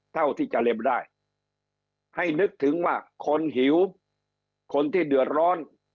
เท่าที่จะเล็มได้ให้นึกถึงว่าคนหิวคนที่เดือดร้อน